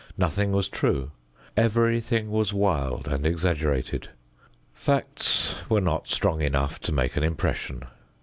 Nothing was true. Everything was wild and exaggerated. Facts were not strong enough to make an impression.